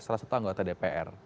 salah satu anggota dpr